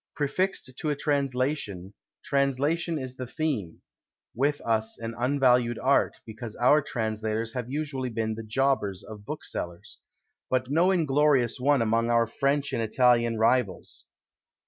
Prefixed to a translation, translation is the theme; with us an unvalued art, because our translators have usually been the jobbers of booksellers; but no inglorious one among our French and Italian rivals.